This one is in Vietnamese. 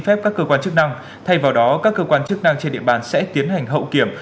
cho phép các cơ quan chức năng thay vào đó các cơ quan chức năng trên địa bàn sẽ tiến hành hậu kiểm